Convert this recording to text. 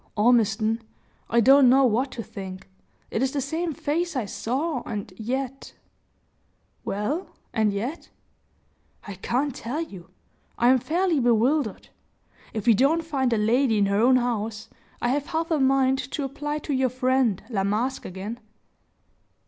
"Ormiston, I don't know what to think. It is the same face I saw, and yet " "Well and yet " "I can't tell you I am fairly bewildered. If we don't find the lady at her own house, I have half a mind to apply to your friend, La Masque, again."